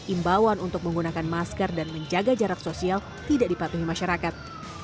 imbauan untuk menggunakan masker dan menjaga jarak sosial tidak dipatuhi masyarakat